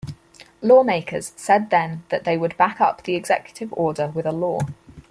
Lawmakers said then that they would back up the executive order with a law.